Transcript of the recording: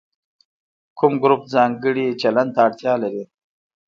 کوم ګروپ ځانګړي چلند ته اړتیا لري.